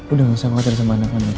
udah gak usah khawatir sama anak anak